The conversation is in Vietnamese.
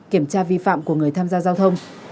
kiểm tra vi phạm của người tham gia giao thông